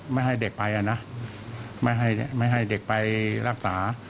ไม่ให้เด็กไปนะไม่ให้เด็กไปรักษา